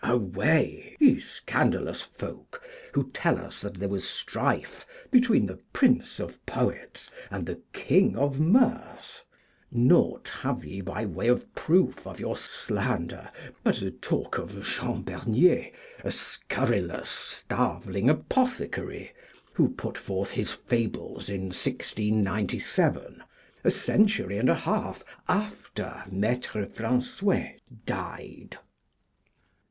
Away, ye scandalous folk, who tell us that there was strife between the Prince of Poets and the King of Mirth. Naught have ye by way of proof of your slander but the talk of Jean Bernier, a scurrilous, starveling apothecary, who put forth his fables in 1697, a century and a half after Mai'tre Francoys died.